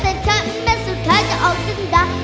แต่ฉันแม่สุดท้ายจะออกกันด่า